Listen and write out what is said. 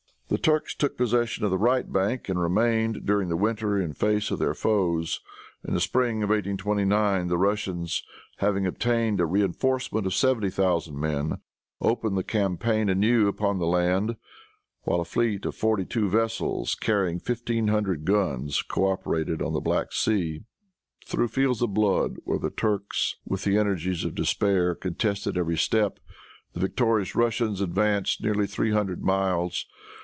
The Turks took possession of the right bank, and remained, during the winter, in face of their foes. In the spring of 1829 the Russians, having obtained a reinforcement of seventy thousand men, opened the campaign anew upon the land, while a fleet of forty two vessels, carrying fifteen hundred guns, coöperated on the Black Sea. Through fields of blood, where the Turks, with the energies of despair, contested every step, the victorious Russians advanced nearly three hundred miles.